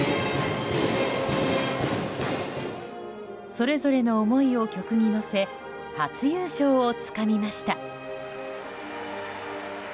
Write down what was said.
それぞれの思いを曲に乗せ初優勝をつかみました。